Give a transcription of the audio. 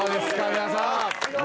皆さん。